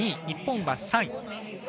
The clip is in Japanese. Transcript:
日本は３位。